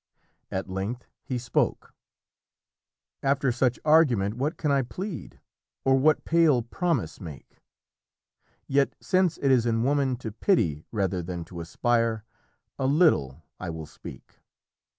At length he spoke: "After such argument what can I plead? Or what pale promise make? Yet since it is In woman to pity rather than to aspire, A little I will speak.